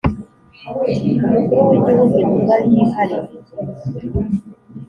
Umukuru w Igihugu Intumwa yihariye